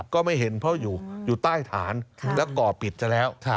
ก็ไม่เห็นเพราะอยู่ใต้ฐานและก่อปิดซะแล้ว